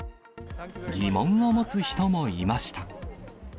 疑問を持つ人もいました。